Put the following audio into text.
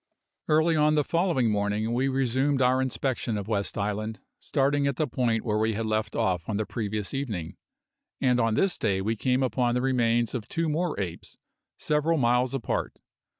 Early on the following morning we resumed our inspection of West Island, starting at the point where we had left off on the previous evening, and on this day we came upon the remains of two more apes, several miles apart.